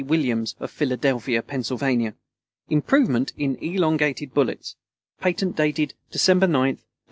Williams, of Philadelphia, Pennsylvania Improvement in Elongated Bullets Patent dated December 9, 1862.